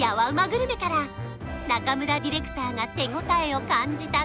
グルメから中村ディレクターが手応えを感じた